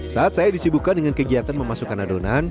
saat saya disibukan dengan kegiatan memasukkan adonan